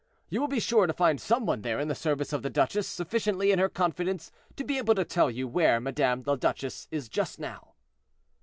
You will be sure to find some one there in the service of the duchesse sufficiently in her confidence to be able to tell you where Madame la Duchesse is just now."